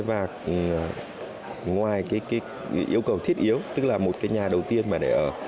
và ngoài yêu cầu thiết yếu tức là một nhà đầu tiên mà để ở